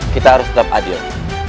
kita harus tetap adil